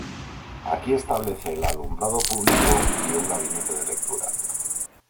Aquí establece el alumbrado público y un gabinete de lectura.